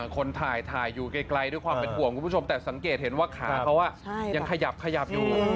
คนถ่ายอยู่ไกลด้วยความเป็นห่วงคุณผู้ชมแต่สังเกตเห็นว่าขาเขายังขยับขยับอยู่